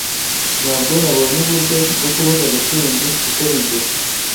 Ntabwo nabonye uburyo bwo kubuza Gatsinzi gukora ibyo.